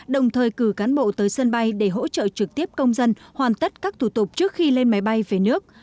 đồng thời cử cán bộ tới sân bay để hỗ trợ trực tiếp công dân hoàn tất các thủ tục trước khi lên máy bay về nước